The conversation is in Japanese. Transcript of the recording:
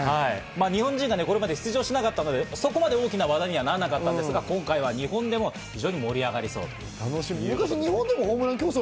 日本人がこれまで出場しなかったので、それまで大きな話題にならなかったんですが、今回は日本でも大きな盛り上がりになりそうです。